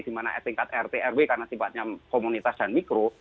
dimana tingkat rt rw karena sifatnya komunitas dan mikro